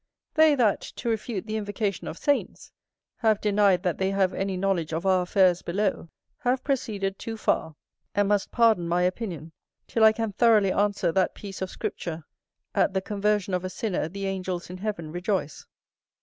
They that, to refute the invocation of saints, have denied that they have any knowledge of our affairs below, have proceeded too far, and must pardon my opinion, till I can thoroughly answer that piece of Scripture, "At the conversion of a sinner, the angels in heaven rejoice."